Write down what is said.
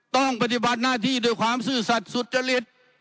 ปฏิบัติหน้าที่ด้วยความซื่อสัตว์สุจริต